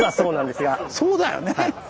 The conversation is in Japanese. そうだよね！